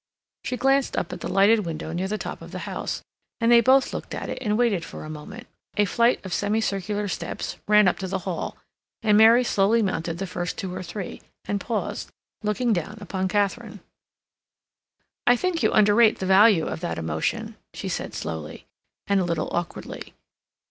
She glanced up at the lighted window near the top of the house, and they both looked at it and waited for a moment. A flight of semicircular steps ran up to the hall, and Mary slowly mounted the first two or three, and paused, looking down upon Katharine. "I think you underrate the value of that emotion," she said slowly, and a little awkwardly.